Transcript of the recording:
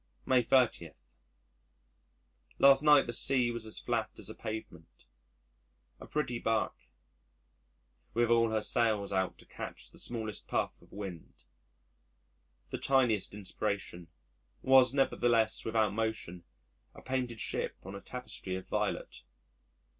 May 30. Last night the sea was as flat as a pavement, a pretty barque with all her sails out to catch the smallest puff of wind the tiniest inspiration was nevertheless without motion a painted ship on a tapestry of violet.